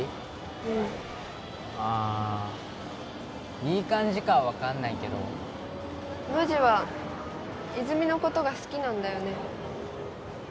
うんああいい感じかは分かんないけどノジは泉のことが好きなんだよね？